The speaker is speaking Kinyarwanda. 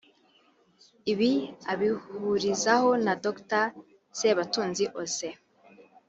Ibi abihurizaho na Dr Sebatunzi Osee